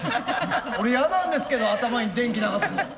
俺嫌なんですけど頭に電気流すの。